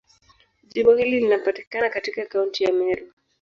Jimbo hili linapatikana katika Kaunti ya Meru.